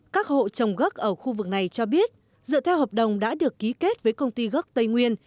các hộ trồng gốc ở khu vực này cho biết dựa theo hợp đồng đã được ký kết với công ty gốc tây nguyên